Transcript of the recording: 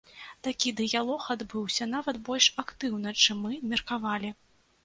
Такі дыялог адбыўся, нават больш актыўна, чым мы меркавалі.